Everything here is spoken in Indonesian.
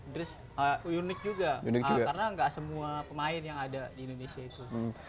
terus unik juga karena nggak semua pemain yang ada di indonesia itu